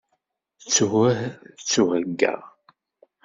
Ttuh ttuheya.